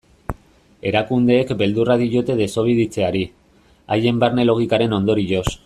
Erakundeek beldurra diote desobeditzeari, haien barne logikaren ondorioz.